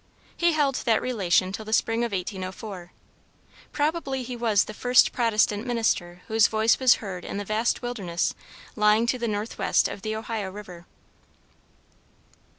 He held that relation till the spring of 1804. Probably he was the first Protestant minister whose voice was heard in the vast wilderness lying to the northwest of the Ohio river.